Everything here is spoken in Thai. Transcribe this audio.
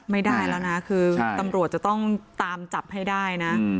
ไม่ได้แล้วนะคือตำรวจจะต้องตามจับให้ได้นะ